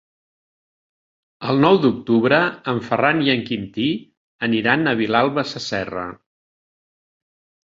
El nou d'octubre en Ferran i en Quintí aniran a Vilalba Sasserra.